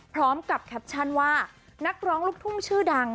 แคปชั่นว่านักร้องลูกทุ่งชื่อดัง